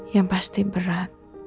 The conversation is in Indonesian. yang pasti berat